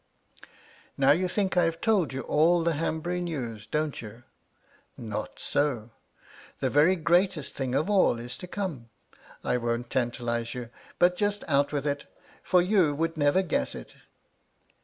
* Now you think I have told you all the Hanbury news, * don't you ? Not so. The very greatest thing of all is ' to come. I won't tantalize you, but just out with it, * for you would never guess it.